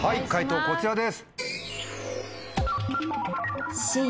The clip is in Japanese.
解答こちらです。